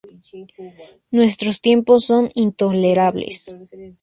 Nuestros tiempos son intolerables.